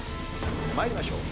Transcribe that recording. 参りましょう。